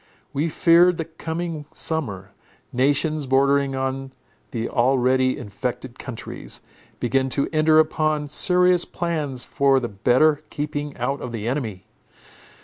We feared the coming summer. Nations, bordering on the already infected countries, began to enter upon serious plans for the better keeping out of the enemy.